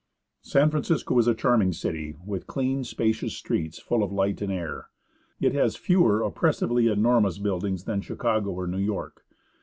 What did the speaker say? San Francisco is a charming city, with clean, spacious streets full of light and air. It has fewer oppressively enormous buildings than Chicago or New York.